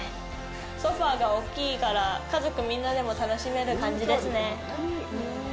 ソファーが大きいから家族みんなでも楽しめる感じですね。